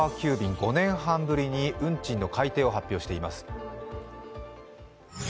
５年半ぶりに運賃の改定を発表しています。